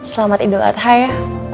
selamat idul adha ya